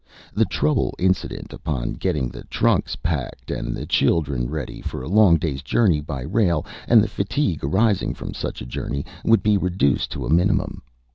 The trouble incident upon getting the trunks packed and the children ready for a long day's journey by rail, and the fatigue arising from such a journey, would be reduced to a minimum.